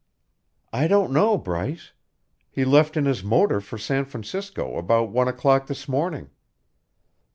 "I don't know, Bryce. He left in his motor for San Francisco about one o'clock this morning."